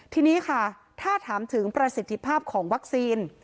ทีนี้ค่ะถ้าถามถึงประสิทธิภาพของวัคซีน